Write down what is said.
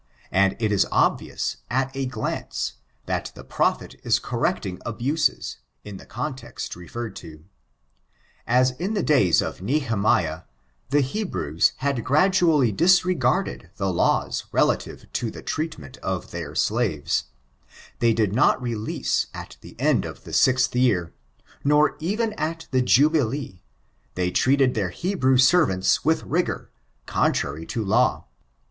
And it is obvious, at a glance, that the prophet is correcting abuses, in the context referred to. As in the days of Nehemiah, the Hebrews had gradually disregarded the laws relative to the treatment of their slaves : they did not release at the end of the sixth year, nor even at the jubilee; they treated their Hebrew servants with rigor, contrary to law.